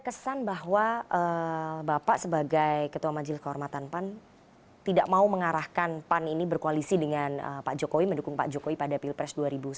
kesan bahwa bapak sebagai ketua majelis kehormatan pan tidak mau mengarahkan pan ini berkoalisi dengan pak jokowi mendukung pak jokowi pada pilpres dua ribu sembilan belas